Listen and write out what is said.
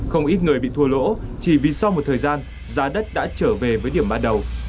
không ít người bị thua lỗ chỉ vì sau một thời gian giá đất đã trở về với điểm ban đầu